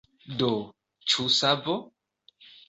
Do, ĉu savo?